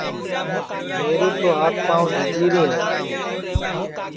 میرے تو ہات پانٚو جھوجھی رے ہے